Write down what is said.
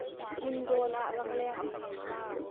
Hmun rawn ah rangleng an hman hna.